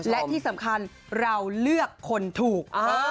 และที่สำคัญเราเลือกคนถูก